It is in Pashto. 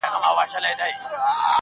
د بېخي تاندي ځوانۍ